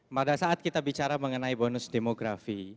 pada saat kita bicara mengenai bonus demografi